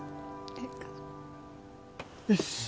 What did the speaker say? よし。